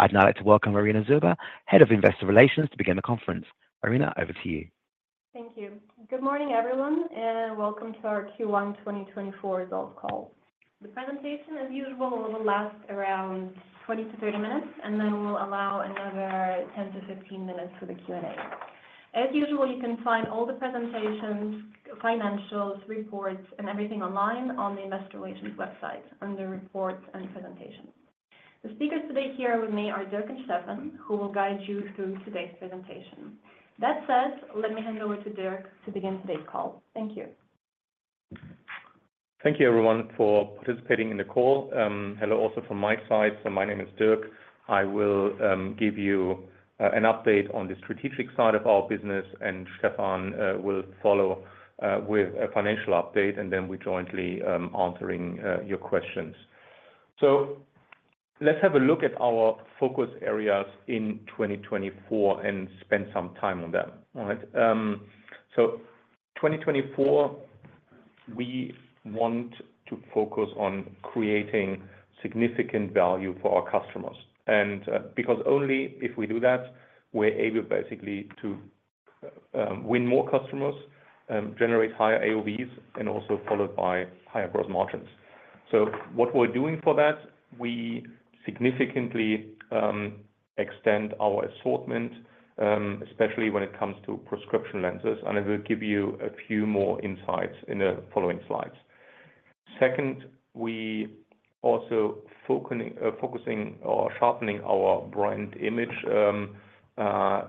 I'd now like to welcome Irina Zhurba, Head of Investor Relations, to begin the conference. Irina, over to you. Thank you. Good morning, everyone, and welcome to our Q1 2024 results call. The presentation, as usual, will last around 20-30 minutes, and then we'll allow another 10-15 minutes for the Q&A. As usual, you can find all the presentations, financials, reports, and everything online on the Investor Relations website under Reports and Presentations. The speakers today here with me are Dirk and Stephan, who will guide you through today's presentation. That said, let me hand over to Dirk to begin today's call. Thank you. Thank you, everyone, for participating in the call. Hello also from my side. My name is Dirk. I will give you an update on the strategic side of our business, and Stephan will follow with a financial update, and then we're jointly answering your questions. Let's have a look at our focus areas in 2024 and spend some time on them, all right? 2024, we want to focus on creating significant value for our customers. And because only if we do that, we're able, basically, to win more customers, generate higher AOVs, and also followed by higher gross margins. What we're doing for that, we significantly extend our assortment, especially when it comes to prescription lenses, and I will give you a few more insights in the following slides. Second, we're also focusing or sharpening our brand image.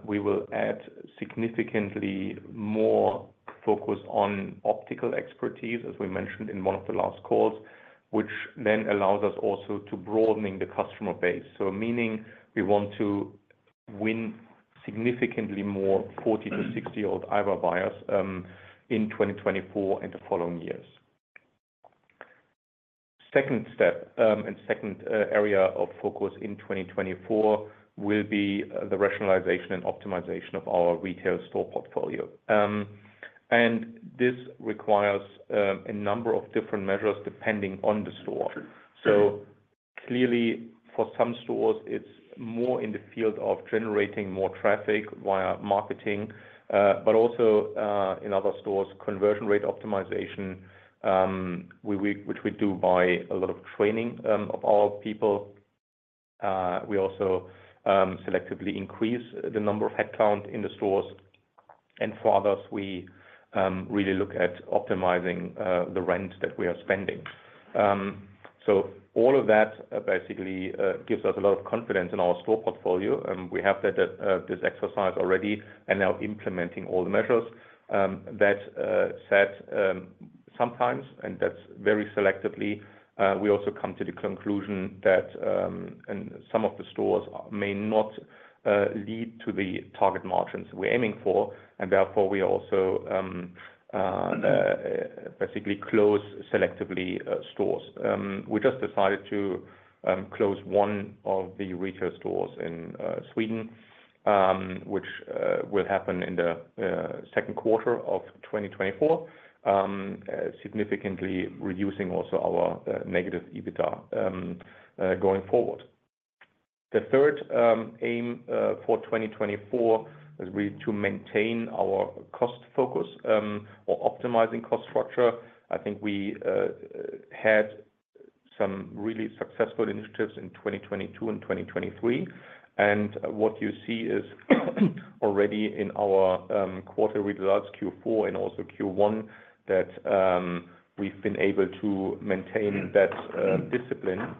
We will add significantly more focus on optical expertise, as we mentioned in one of the last calls, which then allows us also to broaden the customer base. So meaning we want to win significantly more 40-60-year-old IBA buyers in 2024 and the following years. Second step and second area of focus in 2024 will be the rationalization and optimization of our retail store portfolio. This requires a number of different measures depending on the store. So clearly, for some stores, it's more in the field of generating more traffic via marketing, but also in other stores, conversion rate optimization, which we do by a lot of training of our people. We also selectively increase the number of headcount in the stores. For others, we really look at optimizing the rent that we are spending. So all of that, basically, gives us a lot of confidence in our store portfolio. We have this exercise already and now implementing all the measures. That said, sometimes, and that's very selectively, we also come to the conclusion that some of the stores may not lead to the target margins we're aiming for, and therefore we also, basically, close selectively stores. We just decided to close one of the retail stores in Sweden, which will happen in the second quarter of 2024, significantly reducing also our negative EBITDA going forward. The third aim for 2024 is really to maintain our cost focus or optimizing cost structure. I think we had some really successful initiatives in 2022 and 2023. What you see is already in our quarterly results, Q4 and also Q1, that we've been able to maintain that discipline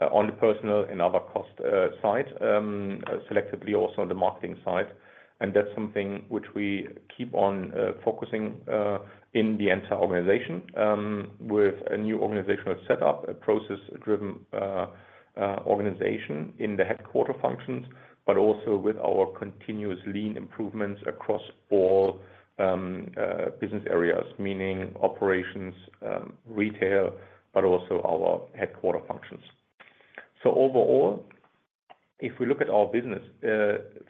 on the personnel and other cost side, selectively also on the marketing side. That's something which we keep on focusing on in the entire organization with a new organizational setup, a process-driven organization in the headquarters functions, but also with our continuous lean improvements across all business areas, meaning operations, retail, but also our headquarters functions. Overall, if we look at our business,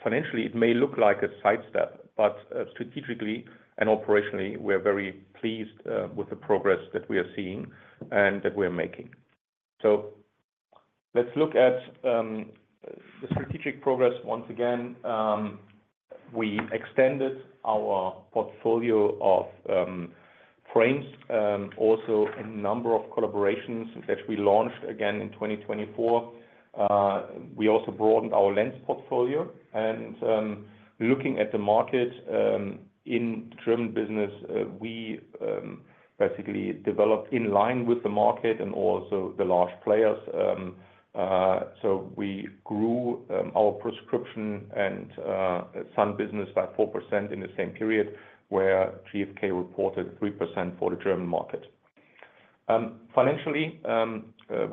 financially, it may look like a sidestep, but strategically and operationally, we are very pleased with the progress that we are seeing and that we are making. Let's look at the strategic progress. Once again, we extended our portfolio of frames, also a number of collaborations that we launched again in 2024. We also broadened our lens portfolio. Looking at the market in German business, we basically developed in line with the market and also the large players. So we grew our prescription and sun business by 4% in the same period where GfK reported 3% for the German market. Financially,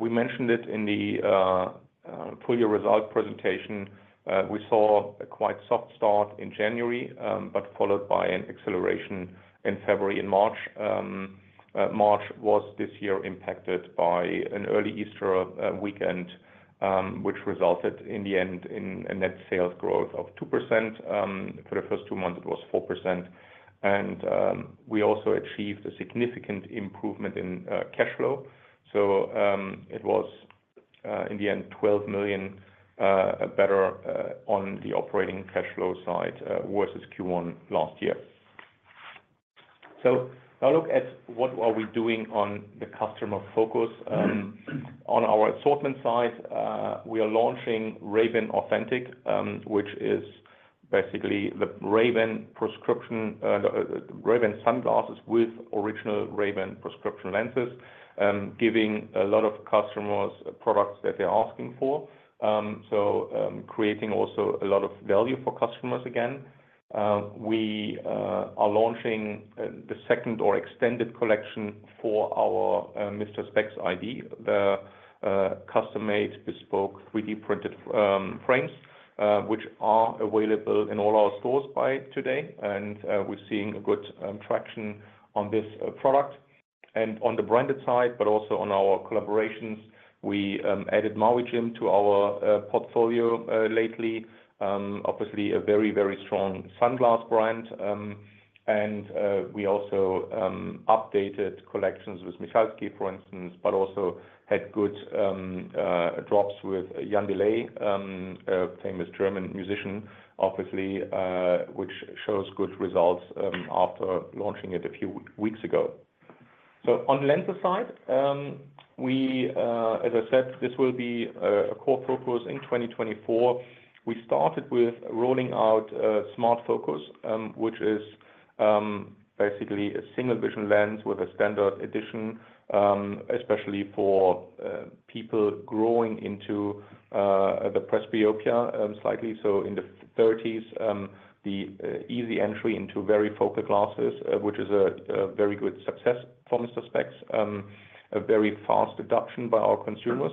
we mentioned it in the full-year result presentation. We saw a quite soft start in January but followed by an acceleration in February and March. March was this year impacted by an early Easter weekend, which resulted in the end in a net sales growth of 2%. For the first two months, it was 4%. And we also achieved a significant improvement in cash flow. So it was, in the end, 12 million better on the operating cash flow side versus Q1 last year. So now look at what are we doing on the customer focus. On our assortment side, we are launching Ray-Ban Authentic, which is basically the Ray-Ban prescription sunglasses with original Ray-Ban prescription lenses, giving a lot of customers products that they're asking for, so creating also a lot of value for customers again. We are launching the second or extended collection for our Mister Spex EyeD, the custom-made, bespoke, 3D-printed frames, which are available in all our stores by today. We're seeing a good traction on this product. On the branded side but also on our collaborations, we added Maui Jim to our portfolio lately, obviously a very, very strong sunglass brand. We also updated collections with Michalsky, for instance, but also had good drops with Jan Delay, a famous German musician, obviously, which shows good results after launching it a few weeks ago. So on the lenses side, as I said, this will be a core focus in 2024. We started with rolling out Smart Focus, which is basically a single-vision lens with a standard edition, especially for people growing into the presbyopia slightly. So in the 30s, the easy entry into varifocal glasses, which is a very good success for Mister Spex, a very fast adoption by our consumers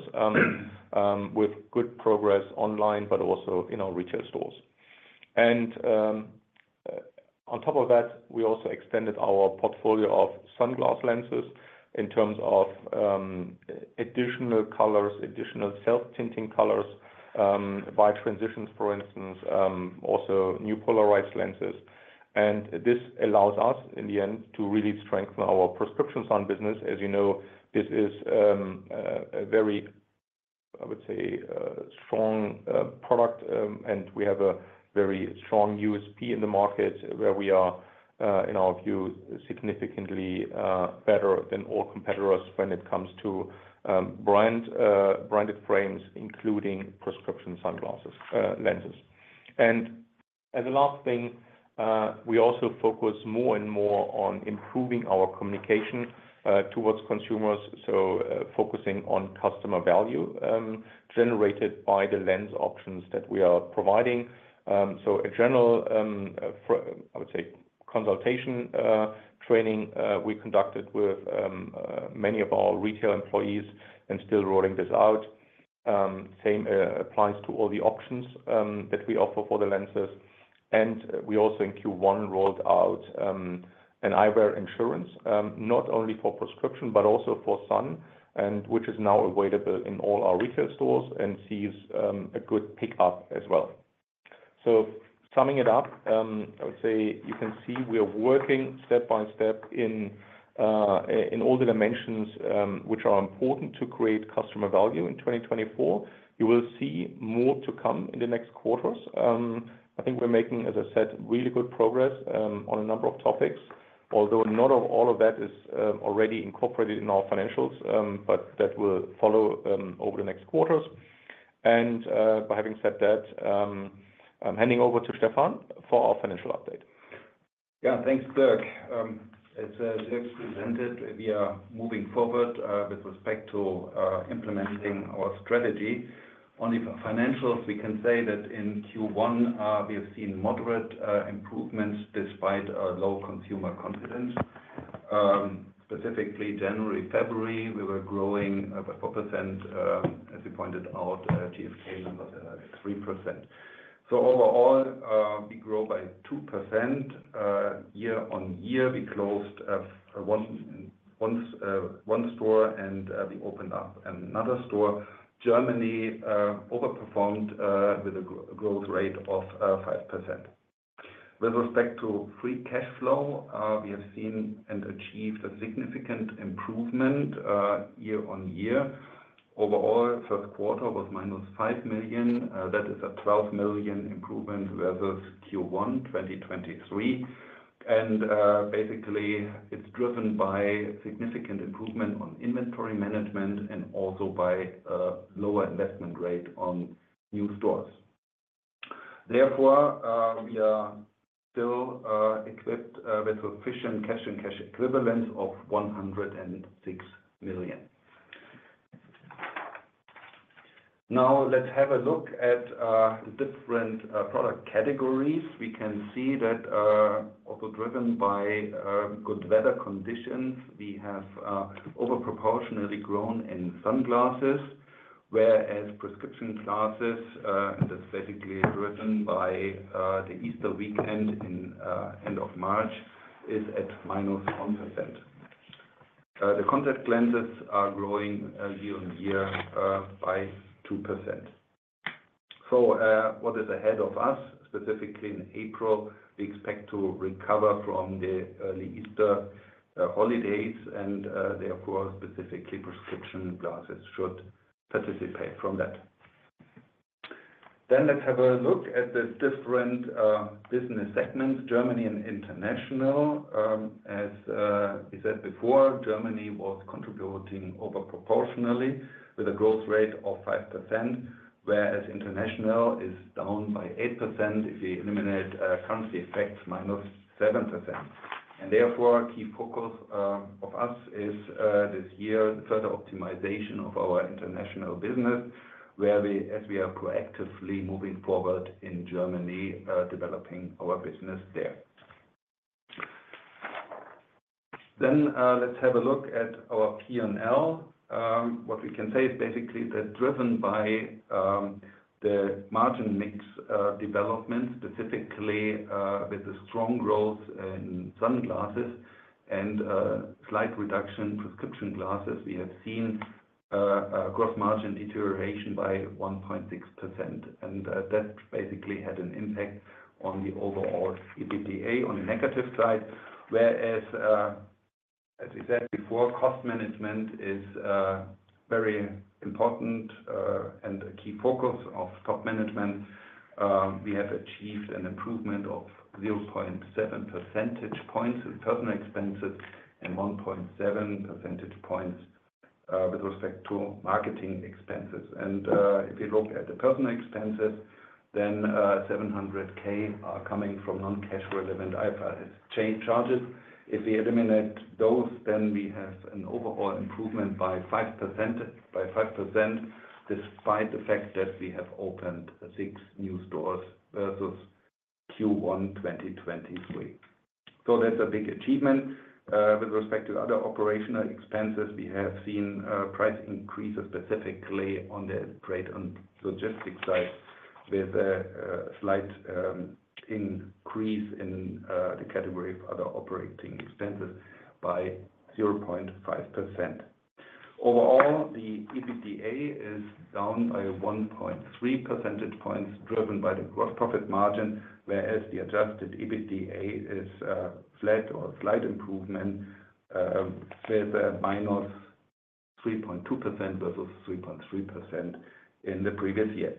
with good progress online but also in our retail stores. And on top of that, we also extended our portfolio of sunglass lenses in terms of additional colors, additional self-tinting colors via Transitions, for instance, also new polarized lenses. And this allows us, in the end, to really strengthen our prescription sun business. As you know, this is a very, I would say, strong product, and we have a very strong USP in the market where we are, in our view, significantly better than all competitors when it comes to branded frames, including prescription sunglasses lenses. As a last thing, we also focus more and more on improving our communication towards consumers, so focusing on customer value generated by the lens options that we are providing. A general, I would say, consultation training we conducted with many of our retail employees and still rolling this out. Same applies to all the options that we offer for the lenses. We also, in Q1, rolled out an eyewear insurance, not only for prescription but also for sun, which is now available in all our retail stores and sees a good pickup as well. Summing it up, I would say you can see we are working step by step in all the dimensions which are important to create customer value in 2024. You will see more to come in the next quarters. I think we're making, as I said, really good progress on a number of topics, although not all of that is already incorporated in our financials, but that will follow over the next quarters. By having said that, I'm handing over to Stephan for our financial update. Yeah, thanks, Dirk. As Dirk presented, we are moving forward with respect to implementing our strategy. On the financials, we can say that in Q1, we have seen moderate improvements despite low consumer confidence. Specifically, January, February, we were growing by 4%, as you pointed out, GfK numbered 3%. So overall, we grow by 2% year-on-year. We closed one store and we opened up another store. Germany overperformed with a growth rate of 5%. With respect to free cash flow, we have seen and achieved a significant improvement year-on-year. Overall, first quarter was -5 million. That is a 12 million improvement versus Q1 2023. And basically, it's driven by significant improvement on inventory management and also by a lower investment rate on new stores. Therefore, we are still equipped with sufficient cash and cash equivalents of 106 million. Now, let's have a look at different product categories. We can see that, also driven by good weather conditions, we have overproportionately grown in sunglasses, whereas prescription glasses, and that's basically driven by the Easter weekend end of March, is at -1%. The contact lenses are growing year-on-year by 2%. So what is ahead of us, specifically in April, we expect to recover from the early Easter holidays, and therefore, specifically, prescription glasses should participate from that. Then let's have a look at the different business segments, Germany and international. As we said before, Germany was contributing overproportionately with a growth rate of 5%, whereas international is down by 8% if we eliminate currency effects minus 7%. Therefore, a key focus of us is this year, the further optimization of our international business, as we are proactively moving forward in Germany, developing our business there. Let's have a look at our P&L. What we can say is basically that driven by the margin mix development, specifically with the strong growth in sunglasses and slight reduction in prescription glasses, we have seen gross margin deterioration by 1.6%. That basically had an impact on the overall EBITDA on the negative side, whereas, as we said before, cost management is very important and a key focus of top management. We have achieved an improvement of 0.7 percentage points in personnel expenses and 1.7 percentage points with respect to marketing expenses. If you look at the personnel expenses, then 700K are coming from non-cash relevant IFRS charges. If we eliminate those, then we have an overall improvement by 5% despite the fact that we have opened six new stores versus Q1 2023. That's a big achievement. With respect to other operational expenses, we have seen price increases, specifically on the trade and logistics side, with a slight increase in the category of other operating expenses by 0.5%. Overall, the EBITDA is down by 1.3 percentage points driven by the gross profit margin, whereas the adjusted EBITDA is flat or a slight improvement with a -3.2% versus 3.3% in the previous year.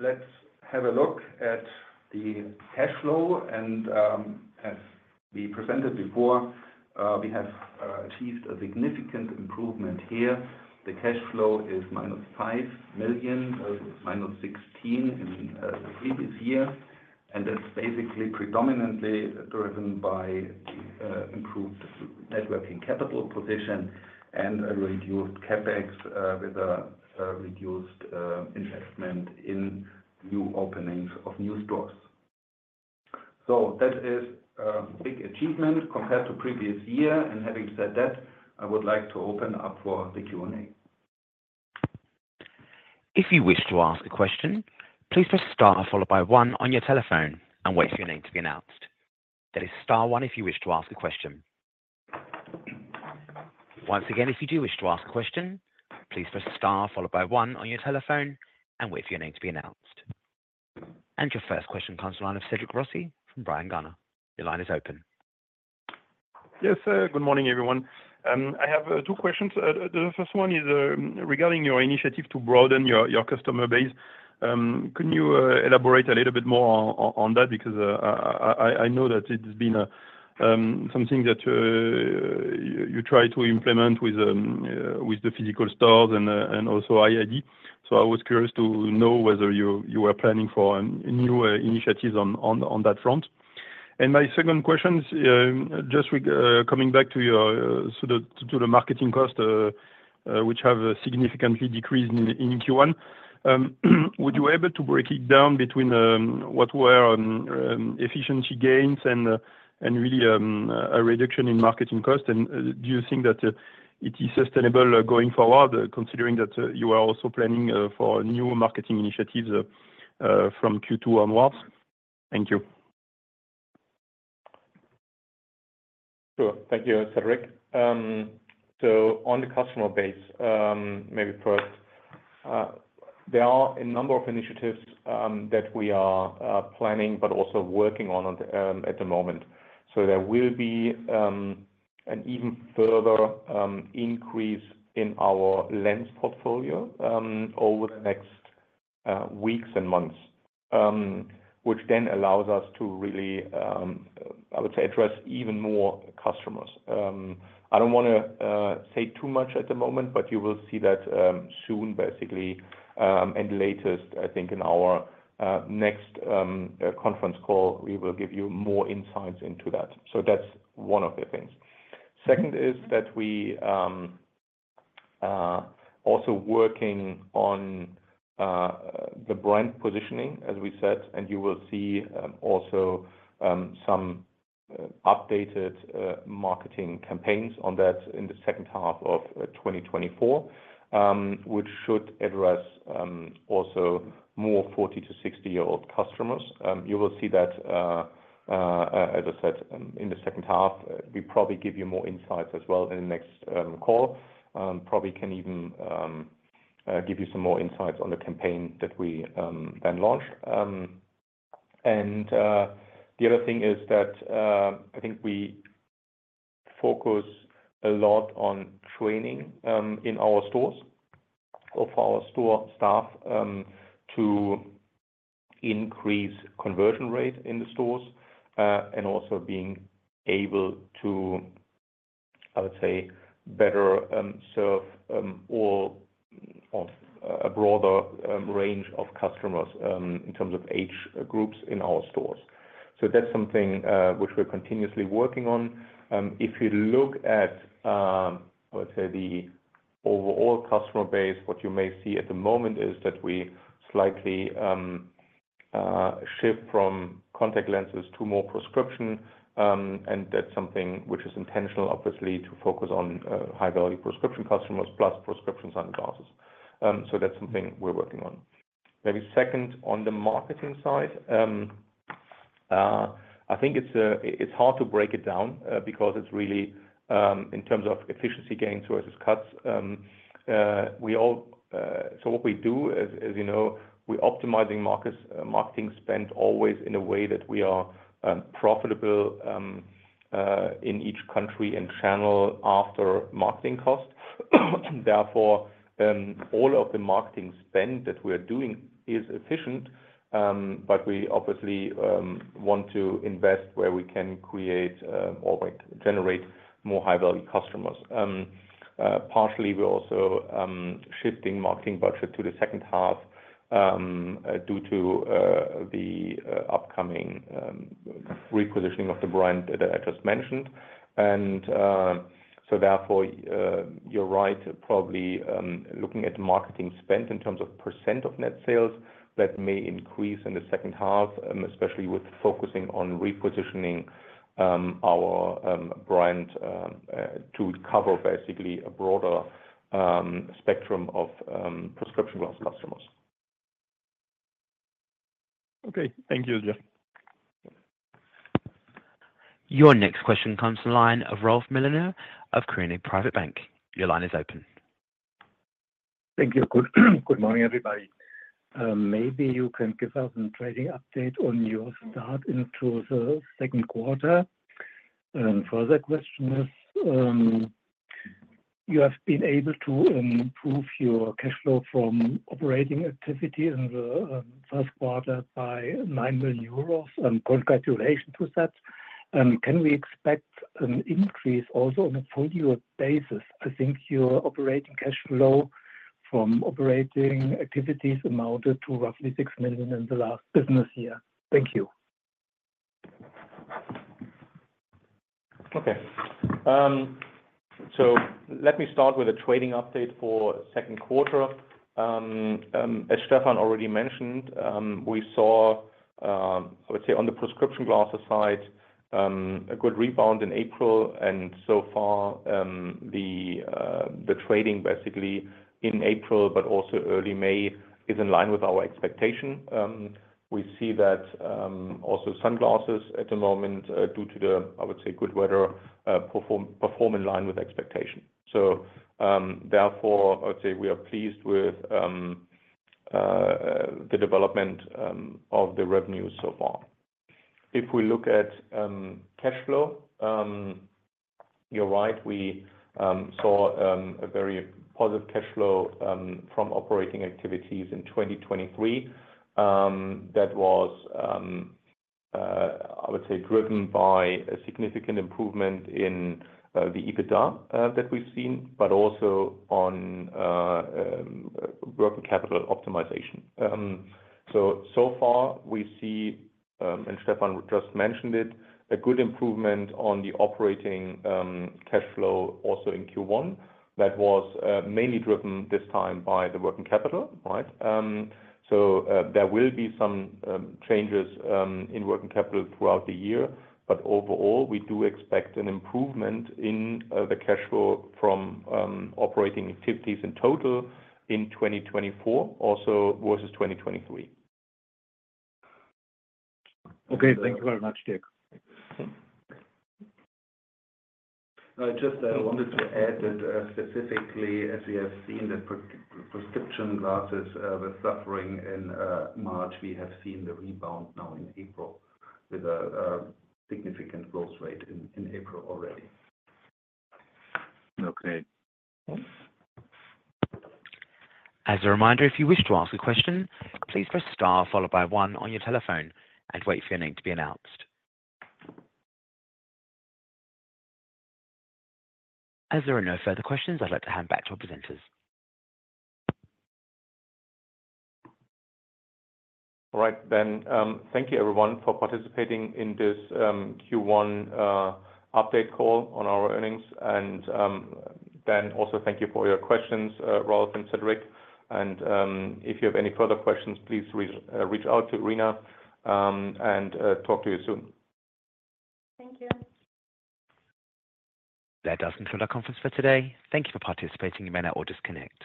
Let's have a look at the cash flow. As we presented before, we have achieved a significant improvement here. The cash flow is -5 million versus -16 million in the previous year. That's basically predominantly driven by the improved working capital position and a reduced CapEx with a reduced investment in new openings of new stores. That is a big achievement compared to previous year. Having said that, I would like to open up for the Q&A. If you wish to ask a question, please press star followed by one on your telephone and wait for your name to be announced. That is star one if you wish to ask a question. Once again, if you do wish to ask a question, please press star followed by one on your telephone and wait for your name to be announced. And your first question comes to the line of Cédric Rossi from Bryan Garnier. Your line is open. Yes, good morning, everyone. I have two questions. The first one is regarding your initiative to broaden your customer base. Can you elaborate a little bit more on that? Because I know that it's been something that you try to implement with the physical stores and also EyeD. So I was curious to know whether you are planning for new initiatives on that front. And my second question is just coming back to the marketing cost, which have significantly decreased in Q1. Would you be able to break it down between what were efficiency gains and really a reduction in marketing cost? And do you think that it is sustainable going forward, considering that you are also planning for new marketing initiatives from Q2 onwards? Thank you. Sure. Thank you, Cedric. So on the customer base, maybe first, there are a number of initiatives that we are planning but also working on at the moment. So there will be an even further increase in our lens portfolio over the next weeks and months, which then allows us to really, I would say, address even more customers. I don't want to say too much at the moment, but you will see that soon, basically. And latest, I think, in our next conference call, we will give you more insights into that. So that's one of the things. Second is that we are also working on the brand positioning, as we said. And you will see also some updated marketing campaigns on that in the second half of 2024, which should address also more 40-60-year-old customers. You will see that, as I said, in the second half. We probably give you more insights as well in the next call. Probably can even give you some more insights on the campaign that we then launched. The other thing is that I think we focus a lot on training in our stores of our store staff to increase conversion rate in the stores and also being able to, I would say, better serve a broader range of customers in terms of age groups in our stores. That's something which we're continuously working on. If you look at, I would say, the overall customer base, what you may see at the moment is that we slightly shift from contact lenses to more prescription. That's something which is intentional, obviously, to focus on high-value prescription customers plus prescription sunglasses. That's something we're working on. Maybe second, on the marketing side, I think it's hard to break it down because it's really in terms of efficiency gains versus cuts. So what we do, as you know, we're optimizing marketing spend always in a way that we are profitable in each country and channel after marketing cost. Therefore, all of the marketing spend that we are doing is efficient, but we obviously want to invest where we can create or generate more high-value customers. Partially, we're also shifting marketing budget to the second half due to the upcoming repositioning of the brand that I just mentioned. And so therefore, you're right, probably looking at marketing spend in terms of % of net sales, that may increase in the second half, especially with focusing on repositioning our brand to cover, basically, a broader spectrum of prescription glasses customers. Okay. Thank you, Dirk. Your next question comes to the line of Ralf Marinoni of Quirin Privatbank. Your line is open. Thank you. Good morning, everybody. Maybe you can give us a trading update on your start into the second quarter. And further question is, you have been able to improve your cash flow from operating activity in the first quarter by 9 million euros. Congratulations with that. Can we expect an increase also on a full-year basis? I think your operating cash flow from operating activities amounted to roughly 6 million in the last business year. Thank you. Okay. So let me start with a trading update for second quarter. As Stephan already mentioned, we saw, I would say, on the prescription glasses side, a good rebound in April. So far, the trading, basically, in April but also early May is in line with our expectation. We see that also sunglasses at the moment, due to the, I would say, good weather, perform in line with expectation. So therefore, I would say we are pleased with the development of the revenues so far. If we look at cash flow, you're right, we saw a very positive cash flow from operating activities in 2023. That was, I would say, driven by a significant improvement in the EBITDA that we've seen, but also on working capital optimization. So far, we see, and Stephan just mentioned it, a good improvement on the operating cash flow also in Q1. That was mainly driven this time by the working capital, right? So there will be some changes in working capital throughout the year. But overall, we do expect an improvement in the cash flow from operating activities in total in 2024 also versus 2023. Okay. Thank you very much, Dirk. Just wanted to add that specifically, as we have seen the prescription glasses were suffering in March, we have seen the rebound now in April with a significant growth rate in April already. Okay. As a reminder, if you wish to ask a question, please press star followed by one on your telephone and wait for your name to be announced. As there are no further questions, I'd like to hand back to our presenters. All right. Thank you, everyone, for participating in this Q1 update call on our earnings. Then also thank you for your questions, Rolf and Cedric. If you have any further questions, please reach out to Irina and talk to you soon. Thank you. That does conclude our conference for today. Thank you for participating. You may now disconnect.